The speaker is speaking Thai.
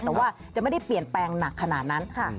แต่ว่าจะไม่ได้เปลี่ยนแปลงหนักขนาดนั้น